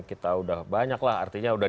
kita udah banyak lah artinya udah